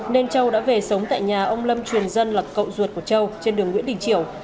nên châu đã về sống tại nhà ông lâm truyền dân là cậu ruột của châu trên đường nguyễn đình triều